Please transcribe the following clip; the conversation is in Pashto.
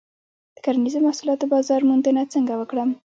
د کرنیزو محصولاتو بازار موندنه څنګه وکړم؟